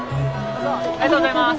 ありがとうございます。